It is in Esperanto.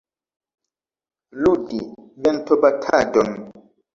Ludi ventobatadon.